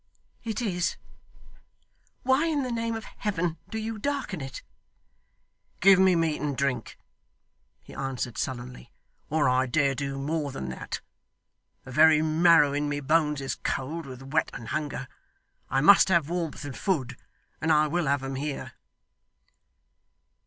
'It is. Why, in the name of Heaven, do you darken it?' 'Give me meat and drink,' he answered sullenly, 'or I dare do more than that. The very marrow in my bones is cold, with wet and hunger. I must have warmth and food, and I will have them here.